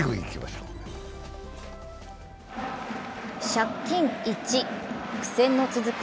借金１、苦戦の続く